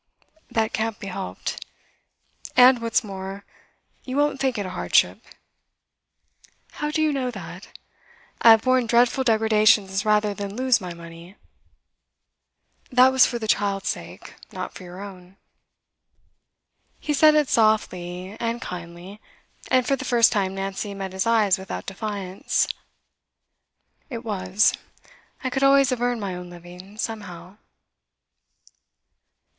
'That can't be helped. And, what's more, you won't think it a hardship.' 'How do you know that? I have borne dreadful degradations rather than lose my money.' 'That was for the child's sake, not for your own.' He said it softly and kindly, and for the first time Nancy met his eyes without defiance. 'It was; I could always have earned my own living, somehow.